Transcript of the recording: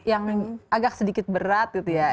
yang agak sedikit berat gitu ya